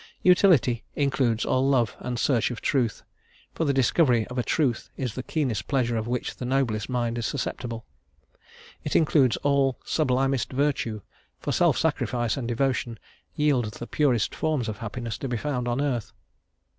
Utility includes all love and search of truth; for the discovery of a truth is the keenest pleasure of which the noblest mind is susceptible. It includes all sublimest virtue; for self sacrifice and devotion yield the purest forms of happiness to be found on earth.